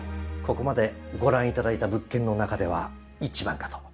ここまでご覧いただいた物件の中では一番かと。